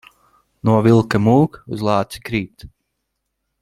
No vilka mūk, uz lāci krīt.